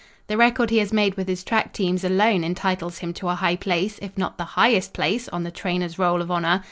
The record he has made with his track teams alone entitles him to a high place, if not the highest place, on the trainer's roll of honor.